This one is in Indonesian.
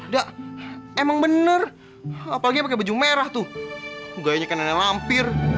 da emang bener apalagi pake baju merah tuh gayanya kayak nenek lampir